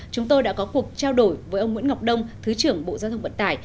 chúng tôi đã có cuộc trao đổi với ông nguyễn ngọc đông thứ trưởng bộ giao thông vận tải